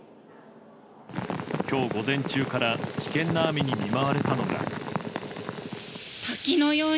今日午前中から危険な雨に見舞われたのが。